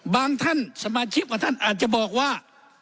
ท่านสมาชิกของท่านอาจจะบอกว่า